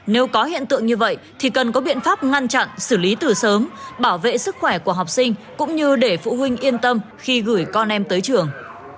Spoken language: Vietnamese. nếu có hiện tượng như vậy thì cần có biện pháp ngăn chặn xử lý từ sớm bảo vệ sức khỏe của học sinh cũng như để phụ huynh yên tâm khi gửi con em tới trường